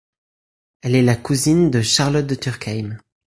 Elle est la cousine de Charlotte de Turckheim.